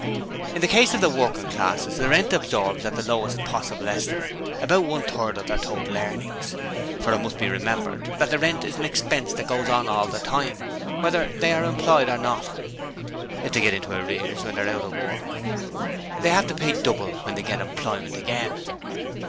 In the case of the working classes the rent absorbs at the lowest possible estimate, about one third of their total earnings, for it must be remembered that the rent is an expense that goes on all the time, whether they are employed or not. If they get into arrears when out of work, they have to pay double when they get employment again.